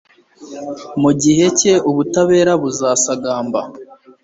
mu gihe cye, ubutabera buzasagamba